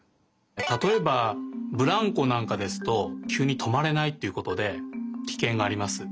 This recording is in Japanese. たとえばブランコなんかですときゅうにとまれないっていうことでキケンがあります。